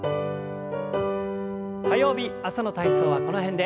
火曜日朝の体操はこの辺で。